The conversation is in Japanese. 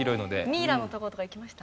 ミイラの所とか行きました？